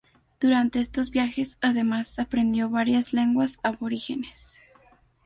Durante estos viajes, además, aprendió varias lenguas aborígenes.